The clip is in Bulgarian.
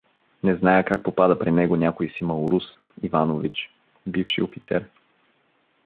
Не зная как попада при него някой си малорус, Иванович, бивши офицер.